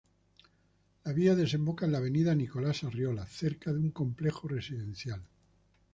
La vía desemboca en la avenida Nicolás Arriola, cerca de un complejo residencial.